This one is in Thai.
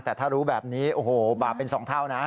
แต่ถ้ารู้แบบนี้โอ้โหบาปเป็น๒เท่านะ